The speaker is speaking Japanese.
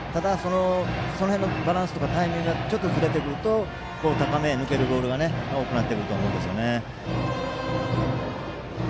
そのバランスやタイミングがずれてくると高めに抜けるボールが多くなってくると思うんですよね。